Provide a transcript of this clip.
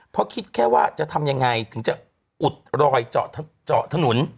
เพราะคิดแค่ว่าจะทำยังไงถึงจะอุดรอยเจาะถนน